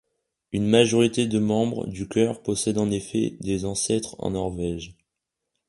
Une majorité de membres du chœur possède en effet des ancêtres en Norvège.